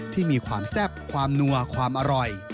ที่มีความแซ่บความนัวความอร่อย